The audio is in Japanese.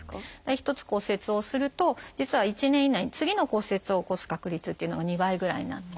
一つ骨折をすると実は１年以内に次の骨折を起こす確率っていうのが２倍ぐらいになって。